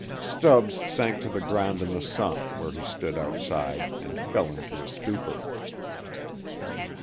Stubbs sank to the ground in the sun where he stood outside and fell into a stupor.